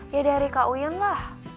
ya dari kak uin lah